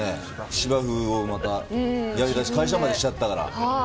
芝生をやり出して会社までしちゃったから。